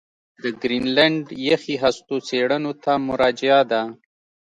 د ګرینلنډ یخي هستو څېړنو ته مراجعه ده